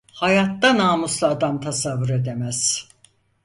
Hayatta namuslu adam tasavvur edemez.